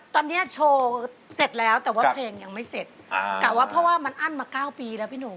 ตอนนี้โชว์เสร็จแล้วแต่ว่าเพลงยังไม่เสร็จกะว่าเพราะว่ามันอั้นมา๙ปีแล้วพี่หนุ่ม